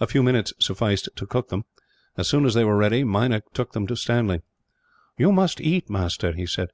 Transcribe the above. A few minutes sufficed to cook them. As soon as they were ready, Meinik took them to Stanley. "You must eat, master," he said.